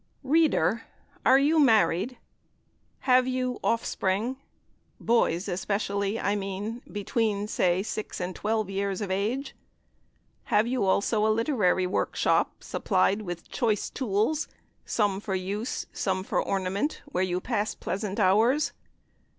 READER! are you married? Have you offspring, boys especially I mean, say between six and twelve years of age? Have you also a literary workshop, supplied with choice tools, some for use, some for ornament, where you pass pleasant hours?